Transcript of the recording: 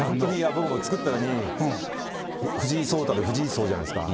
僕も、作ったのに、藤井聡太で藤井荘じゃないですか。